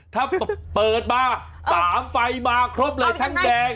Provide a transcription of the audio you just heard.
ถ้าเปิดมา๓ไฟมาครบเลยทั้งแดง